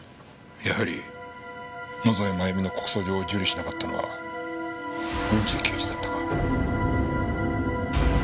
やはり野添真由美の告訴状を受理しなかったのは郡侍刑事だったか。